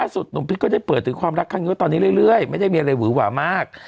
สุดหนุ่มพิษก็ได้เปิดถึงความรักครั้งนี้ว่าตอนนี้เรื่อยไม่ได้มีอะไรหวือหวามาก